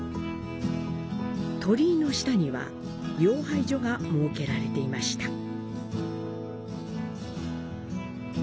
鳥居の下には遙拝所が設けられていました。